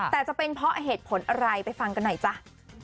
แต่จะเป็นเพราะเหตุผลอะไรไปฟังกันหน่อยจ้ะ